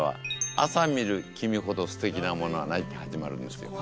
「朝見る君ほどすてきなものはない」って始まるんですけど。